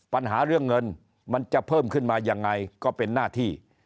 ปัญหาเรื่องเงินมันจะเพิ่มขึ้นมายังไงก็เป็นหน้าที่